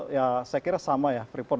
ya saya kira sama ya freeport